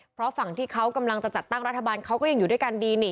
เพราะฝั่งที่เขากำลังจะจัดตั้งรัฐบาลเขาก็ยังอยู่ด้วยกันดีนี่